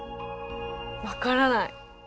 分からない。